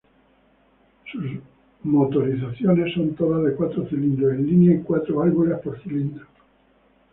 Sus motorizaciones son todas de cuatro cilindros en línea y cuatro válvulas por cilindro.